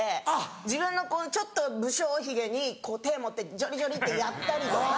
自分の無精ヒゲに手持ってジョリジョリってやったりとか。